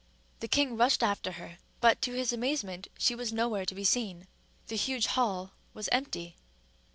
The king rushed after her; but, to his amazement, she was nowhere to be seen: the huge hall was empty.